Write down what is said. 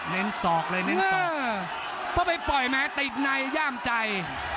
เน้นศอกเลยเน้นเพราะไปปล่อยแม้ติดในย่ามใจ